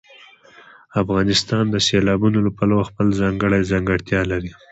افغانستان د سیلابونو له پلوه خپله ځانګړې ځانګړتیا لري.